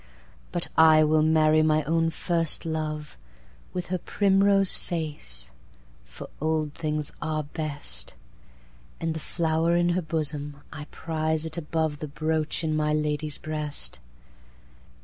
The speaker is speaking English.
But I will marry my own first love, With her primrose face: for old things are best, And the flower in her bosom, I prize it aboveThe brooch in my lady's breast.